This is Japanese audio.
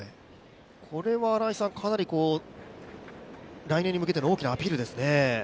これはかなり来年に向けての大きなアピールですね。